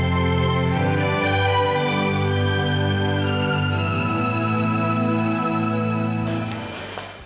kamu ngapain mbak